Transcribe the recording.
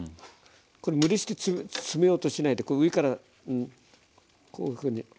これ無理して詰めようとしないで上からこういうふうに押さえ込んで。